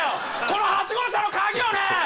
この８号車のカギをね！